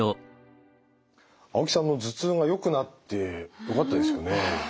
青木さんの頭痛がよくなってよかったですよね。